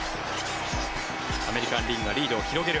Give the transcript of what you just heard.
アメリカン・リーグがリードを広げる。